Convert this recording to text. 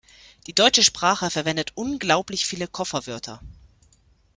Die deutsche Sprache verwendet unglaublich viele Kofferwörter.